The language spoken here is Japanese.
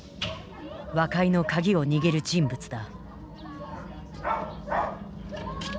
和解の鍵を握る人物だ。